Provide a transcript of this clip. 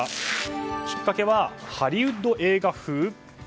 きっかけはハリウッド映画風？